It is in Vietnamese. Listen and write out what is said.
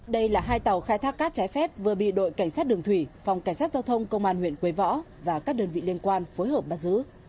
đây là hai tàu khai thác cát trái phép vừa bị đội cảnh sát đường thủy phòng cảnh sát giao thông công an huyện quế võ và các đơn vị liên quan phối hợp bắt giữ